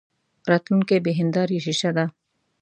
راتلونکې بې هیندارې شیشه ده.